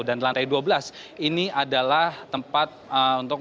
dan lantai dua belas ini adalah tempat untuk